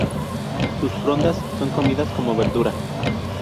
Sus frondas son comidas como verdura.